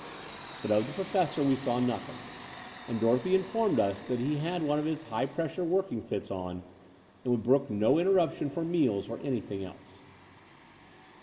But of the Professor we saw nothing; and Dorothy informed us that he had one of his high pressure working fits on, and would brook no interruption for meals or anything else.